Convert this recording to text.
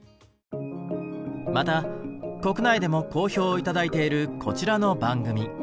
また国内でも好評を頂いているこちらの番組。